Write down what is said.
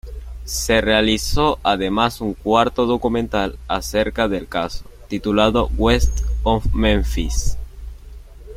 Se realizó además un cuarto documental acerca del caso, titulado "West of Memphis".